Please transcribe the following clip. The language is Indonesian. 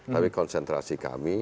tapi konsentrasi kami